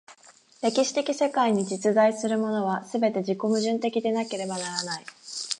歴史的世界に実在するものは、すべて自己矛盾的でなければならない。